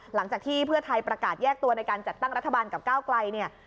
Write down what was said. หลังจากที่เพื่อไทยประกาศแยกตัวในการจัดตั้งรัฐบาลกับก้าวไกลเนี่ย